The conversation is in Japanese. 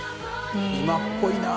今っぽいな。